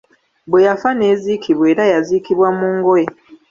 Bwe yafa n’eziikibwa era yaziikibwa mu ngoye!